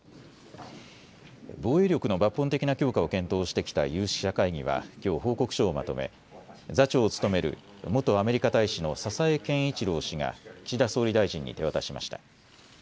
防衛力の抜本的な強化を検討してきた有識者会議はきょう報告書をまとめ座長を務める元アメリカ大使の佐々江賢一郎氏が岸田総理大臣に手渡しました。